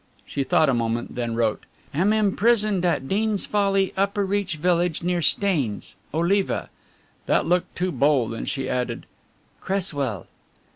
She thought a moment, then wrote: "Am imprisoned at Deans Folly, Upper Reach Village, near Staines. Oliva." That looked too bold, and she added "Cresswell."